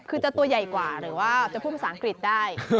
คือจะตัวใหญ่กว่าหรือว่าจะพูดภาษาอังกฤษได้